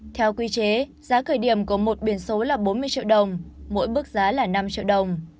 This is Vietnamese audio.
theo quy chế giá khởi điểm của một biển số là bốn mươi triệu đồng mỗi bước giá là năm triệu đồng